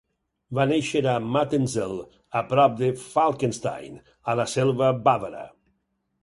Va néixer a Mattenzell, a prop de Falkenstein a la selva bàvara.